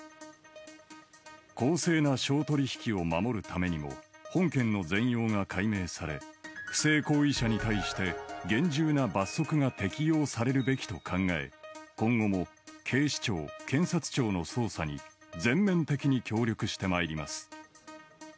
公正な商取引を守るためにも、本件の全容が解明され、不正行為者に対して、厳重な罰則が適用されるべきと考え、今後も警視庁、検察庁の捜査に全面的に協力してまいります。